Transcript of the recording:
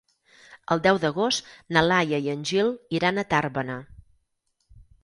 El deu d'agost na Laia i en Gil iran a Tàrbena.